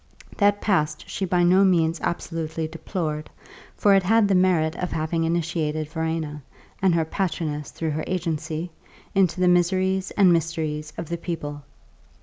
That past she by no means absolutely deplored, for it had the merit of having initiated Verena (and her patroness, through her agency) into the miseries and mysteries of the People.